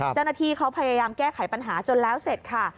เจ้าหน้าที่เขาพยายามแก้ไขปัญหาจนแล้วเสร็จค่ะ